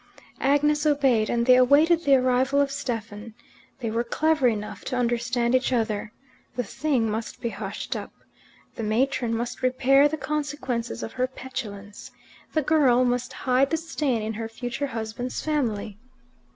Agnes obeyed, and they awaited the arrival of Stephen. They were clever enough to understand each other. The thing must be hushed up. The matron must repair the consequences of her petulance. The girl must hide the stain in her future husband's family.